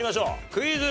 クイズ。